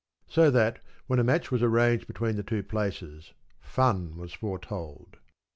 So that, when a match was arranged between the two places, fun was foretold.